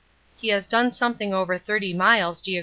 He has done something over 30 miles (geo.)